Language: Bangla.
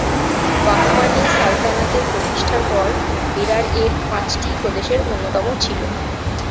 বাহমানি সালতানাতের প্রতিষ্ঠার পর বেরার এর পাঁচটি প্রদেশের অন্যতম ছিল।